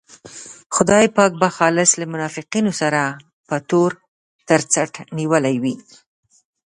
خدای پاک به خالص له منافقینو سره په تور تر څټ نیولی وي.